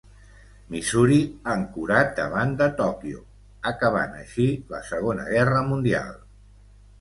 Missouri, ancorat davant de Tòquio, acabant així la Segona Guerra Mundial.